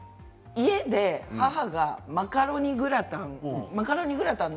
家で母がマカロニグラタンを。